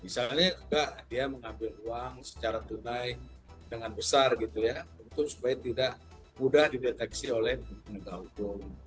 misalnya enggak dia mengambil uang secara dunai dengan besar gitu ya untuk supaya tidak mudah dideteksi oleh pengguna taugung